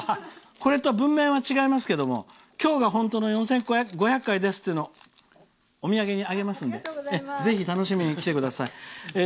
これと文面は違いますが今日が本当の４５００回ですっていうのをお土産にあげますのでぜひ楽しみに来てください。